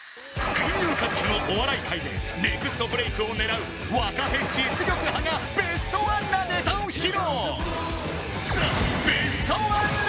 群雄割拠のお笑い界でネクストブレイクを狙う若手実力派がベストワンなネタを披露